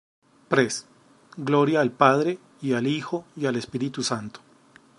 Pres.: Gloria al Padre, y al Hijo, y al Espíritu Santo;